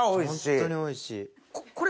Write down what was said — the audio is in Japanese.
ホントにおいしい。